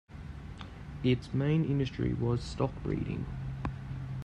Its main industry was stock breeding.